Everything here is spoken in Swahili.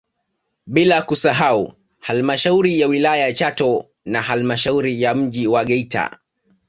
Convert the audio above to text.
Blia kusahau halmashauri ya wilaya ya Chato na halmasahauri ya mji wa Geita